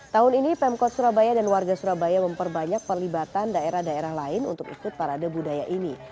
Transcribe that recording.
tahun ini pemkot surabaya dan warga surabaya memperbanyak perlibatan daerah daerah lain untuk ikut parade budaya ini